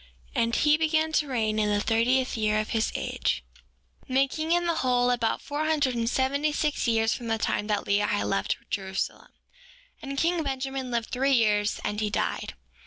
And he began to reign in the thirtieth year of his age, making in the whole, about four hundred and seventy six years from the time that Lehi left Jerusalem. 6:5 And king Benjamin lived three years and he died.